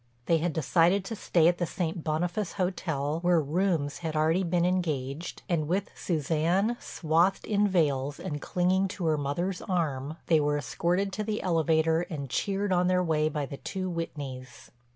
They had decided to stay at the St. Boniface hotel where rooms had already been engaged, and, with Suzanne swathed in veils and clinging to her mother's arm, they were escorted to the elevator and cheered on their way by the two Whitneys.